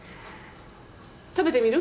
食べてみる？